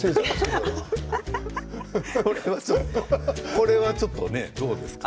これはちょっとねどうですか？